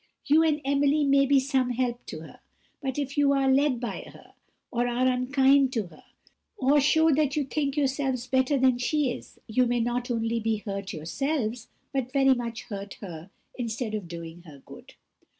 You and Emily may be some help to her; but if you are led by her, or are unkind to her, or show that you think yourselves better than she is, you may not only be hurt yourselves, but very much hurt her instead of doing her good."